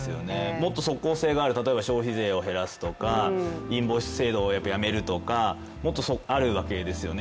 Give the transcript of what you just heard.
もっと即効性がある、例えば消費税を減らすとかインボイス制度をやめるとか、もっとあるわけですよね。